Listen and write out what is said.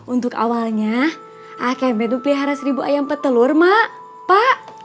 untuk awalnya akemed mempelihara seribu ayam petelur mak pak